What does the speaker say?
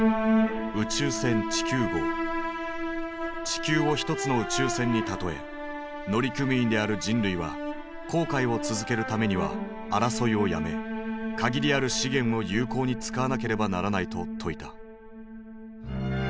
地球を一つの宇宙船に例え乗組員である人類は航海を続けるためには争いをやめ限りある資源を有効に使わなければならないと説いた。